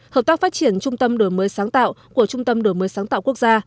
hợp tác phát triển trung tâm đổi mới sáng tạo của trung tâm đổi mới sáng tạo quốc gia